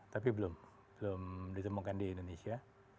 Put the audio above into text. tapi belum belum ditemukan di indonesia